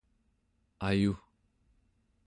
ayu